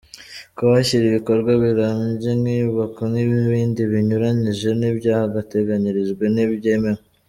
Kuhashyira ibikorwa birambye nk’inyubako n’ibindi binyuranyije n’ibyahateganyirijwe ntibyemewe.